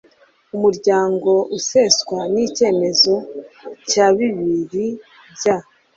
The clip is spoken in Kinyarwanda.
umuryango useswa n icyemezo cya bibiri bya